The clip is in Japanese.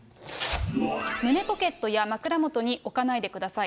胸ポケットや枕元に置かないでください。